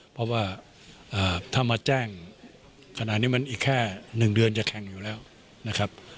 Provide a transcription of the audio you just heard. เพราะว่าถ้ามาแจ้งขนาดนี้มันอีกแค่๑เดือนจะแข่งอยู่แล้วนะครับ